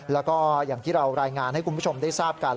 แล้วก็อย่างที่เรารายงานให้คุณผู้ชมได้ทราบกัน